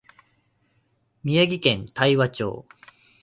宮城県大和町